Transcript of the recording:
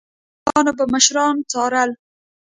شوراګانو به مشران څارل